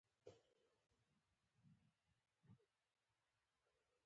خمونه